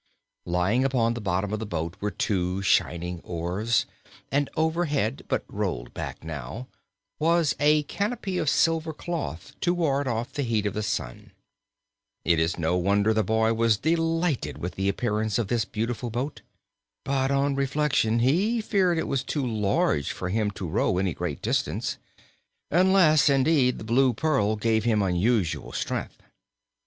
Lying upon the bottom of the boat were two shining oars, and overhead, but rolled back now, was a canopy of silver cloth to ward off the heat of the sun. It is no wonder the boy was delighted with the appearance of this beautiful boat; but on reflection he feared it was too large for him to row any great distance. Unless, indeed, the Blue Pearl gave him unusual strength.